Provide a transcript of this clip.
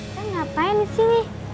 kan ngapain disini